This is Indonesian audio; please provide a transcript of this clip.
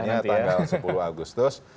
masa masa akhirnya tanggal sepuluh agustus